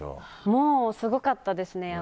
もう、すごかったですね。